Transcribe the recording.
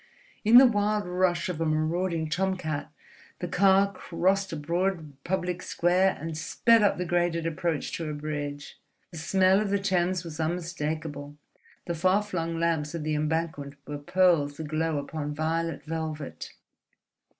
In the wild rush of a marauding tomcat the car crossed a broad public square and sped up the graded approach to a bridge. The smell of the Thames was unmistakable, the far flung lamps of the Embankment were pearls aglow upon violet velvet.